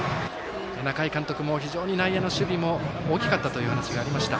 仲井監督も非常に内野の守備も大きかったという話がありました。